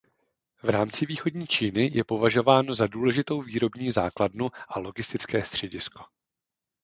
V rámci východní Číny je považováno za důležitou výrobní základnu a logistické středisko.